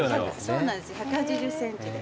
そうなんです１８０ｃｍで。